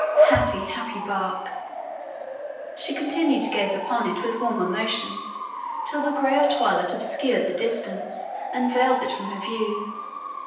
Happy—happy bark!" She continued to gaze upon it, with warm emotion, till the grey of twilight obscured the distance, and veiled it from her view.